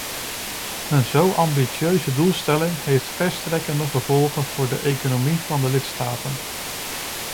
Een zo ambitieuze doelstelling heeft verstrekkende gevolgen voor de economie van de lidstaten.